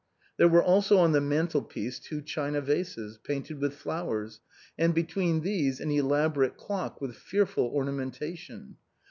There were also on the mantle piece two china vases, painted with flowers, and between these an elaborate clock, with fearful ornamentation.